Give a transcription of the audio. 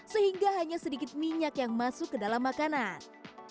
sehingga hanya sedikit minyak yang masuk ke dalam makanan